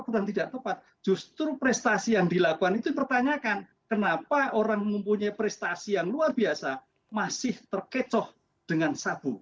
kalau tidak tepat justru prestasi yang dilakukan itu dipertanyakan kenapa orang mempunyai prestasi yang luar biasa masih terkecoh dengan sabu